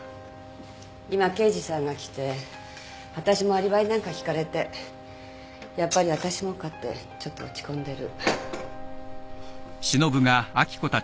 今刑事さんが来てわたしもアリバイなんか聞かれてやっぱりわたしもかってちょっと落ち込んでる。